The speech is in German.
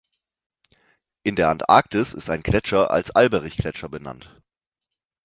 In der Antarktis ist ein Gletscher als Alberich-Gletscher benannt.